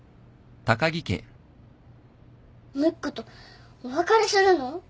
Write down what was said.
ムックとお別れするの？